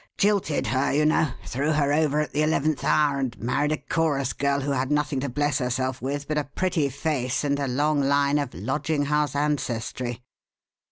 Jilted her, you know threw her over at the eleventh hour and married a chorus girl who had nothing to bless herself with but a pretty face and a long line of lodging house ancestry.